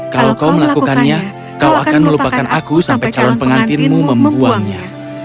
kalau kau melakukannya kau akan melupakan aku sampai calon pengantinmu membuangnya